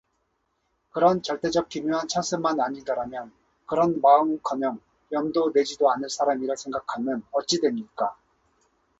그런 절대적 기묘한 찬스만 아니더라면 그런 마음은커녕 염도 내지도 않을 사람이라 생각하면 어찌 됩니까?